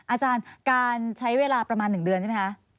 อาจารย์การใช้เวลาประมาณ๑เดือนใช่ไหมคะ